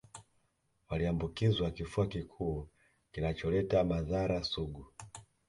Waliambukizwa kifua kikuu kinacholeta madhara sugu